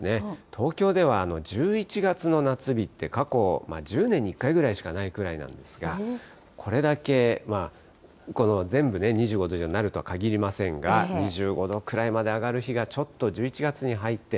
東京では１１月の夏日って、過去１０年に１回ぐらいしかないんですが、これだけ全部ね、２５度以上になるとはかぎりませんが、２５度くらいまで上がる日が、ち珍しい。